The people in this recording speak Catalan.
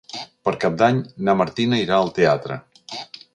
Per Cap d'Any na Martina irà al teatre.